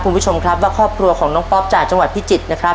คุณผู้ชมครับว่าครอบครัวของน้องป๊อปจากจังหวัดพิจิตรนะครับ